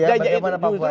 bagaimana papua tepi tidak